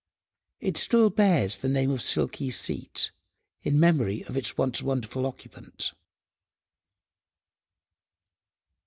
It still bears the name of "Silky's seat," in memory of its once wonderful occupant.